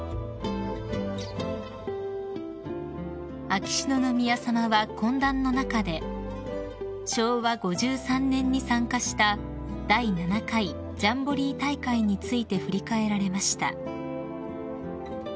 ［秋篠宮さまは懇談の中で昭和５３年に参加した第７回ジャンボリー大会について振り返られました］